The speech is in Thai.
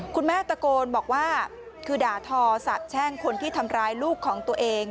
คุณแม่ตะโกนบอกว่าคือด่าทอสาบแช่งคนที่ทำร้ายลูกของตัวเอง